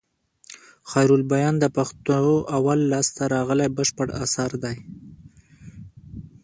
خيرالبيان د پښتو اول لاسته راغلى بشپړ اثر دئ.